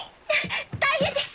大変です！